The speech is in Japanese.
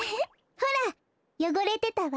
ほらよごれてたわ。